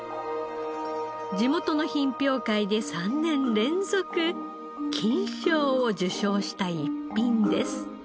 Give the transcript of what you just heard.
地元の品評会で３年連続金賞を受賞した逸品です。